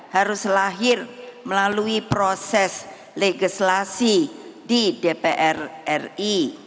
harus lahir melalui proses legislasi di dpr ri